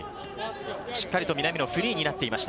しっかりと南野フリーになっていました。